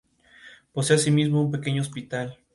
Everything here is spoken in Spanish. New York: Basic Books.